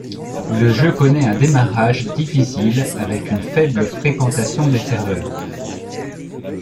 Le jeu connaît un démarrage difficile avec une faible fréquentation des serveurs.